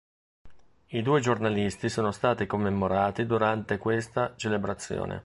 I due giornalisti sono stati commemorati durante questa celebrazione.